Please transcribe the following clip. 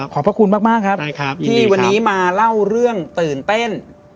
พระคุณมากครับที่วันนี้มาเล่าเรื่องตื่นเต้น